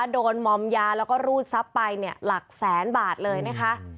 มอมยาแล้วก็รูดทรัพย์ไปเนี่ยหลักแสนบาทเลยนะคะ